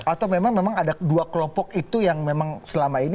atau memang ada dua kelompok itu yang memang selama ini